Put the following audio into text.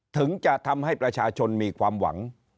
ถึงจะทำให้ประชาชนมีความหวัง